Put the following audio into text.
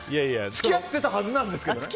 付き合っていたはずなんですけどね。